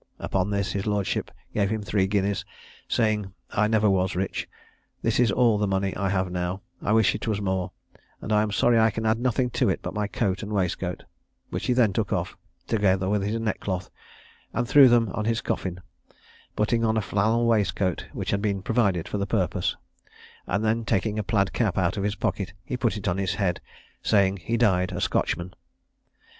Upon this his lordship gave him three guineas, saying. "I never was rich; this is all the money I have now; I wish it was more, and I am sorry I can add nothing to it but my coat and waistcoat;" which he then took off, together with his neckcloth, and threw them on his coffin, putting on a flannel waistcoat which had been provided for the purpose; and then taking a plaid cap out of his pocket, he put it on his head, saying he died a Scotchman.